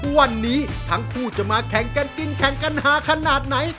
วันนี้ทั้งคู่จะมาแข่งกันกินแข่งกันหาขนาดไหน